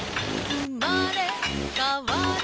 「うまれかわる」